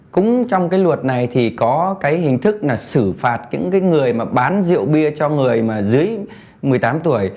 cũng trong cái luật này thì có cái hình thức là xử phạt những cái người mà bán rượu bia cho người mà dưới một mươi tám tuổi